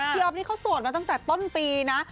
อ๊อฟนี่เขาโสดมาตั้งแต่ต้นปีนะ